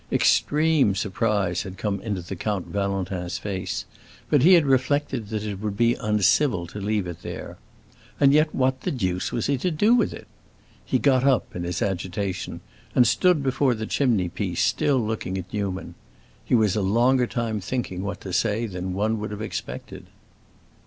Extreme surprise had come into the Count Valentin's face; but he had reflected that it would be uncivil to leave it there. And yet, what the deuce was he to do with it? He got up, in his agitation, and stood before the chimney piece, still looking at Newman. He was a longer time thinking what to say than one would have expected.